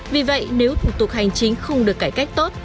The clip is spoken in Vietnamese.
vì vậy nếu thủ tục hành chính không được cải cách tốt